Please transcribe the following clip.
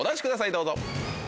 どうぞ。